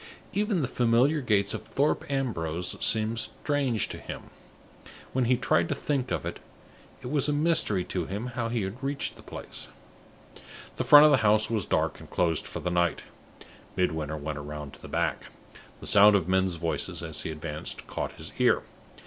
Even the familiar gates of Thorpe Ambrose seemed strange to him. When he tried to think of it, it was a mystery to him how he had reached the place. The front of the house was dark, and closed for the night. Midwinter went round to the back. The sound of men's voices, as he advanced, caught his ear.